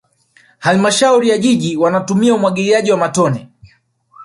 halmashauri ya jiji wanatumia umwagiliaji wa matone